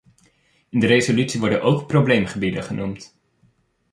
In de resolutie worden ook probleemgebieden genoemd.